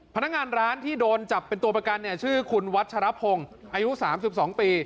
พนักงานร้านที่โดนจับเป็นตัวประกันเนี่ยชื่อคุณวัชรพงศ์อายุ๓๒ปี